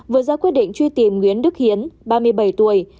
vừa ra quyết định truy tìm nguyễn đức hiến ba mươi bảy tuổi